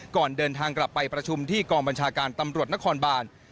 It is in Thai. ก่อนเดินทางกลับไปประชุมที่กองบัญชาการตำรวจนครบาน